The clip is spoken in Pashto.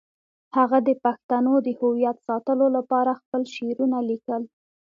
هغه د پښتنو د هویت ساتلو لپاره خپل شعرونه لیکل.